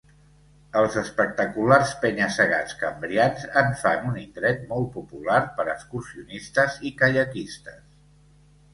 Els espectaculars penya-segats cambrians en fan un indret molt popular per a excursionistes i caiaquistes.